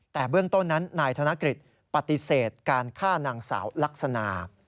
แต่เบื้องต้นนั้นนายธนกฤษปฏิเสธการฆ่านางสาวลักษณะ